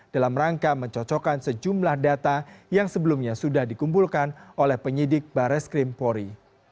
dalam rangka mencocokkan sejumlah data yang sebelumnya sudah dikumpulkan oleh penyidik bares krimpori